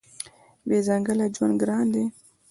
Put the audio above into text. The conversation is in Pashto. بې ځنګله ژوند ګران دی.